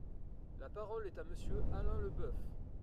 La parole est à Monsieur Alain Leboeuf.